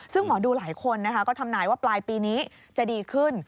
ซึ่งหมอดูหลายคนนะคะก็ทำนายว่าปลายปีนี้จะดีขึ้น